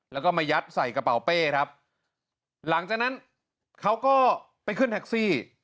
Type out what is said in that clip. แล้วก็มายัดใส่กระเป๋าเป้ครับหลังจากนั้นเขาก็ไปขึ้นแท็กซี่